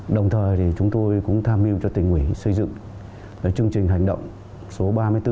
đồng thời chúng tôi cũng tham mưu cho tỉnh ủy xây dựng chương trình hành động số ba mươi bốn